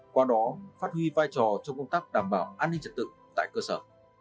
qua đó phát huy vai trò trong công tác đảm bảo an ninh trật tự tại cơ sở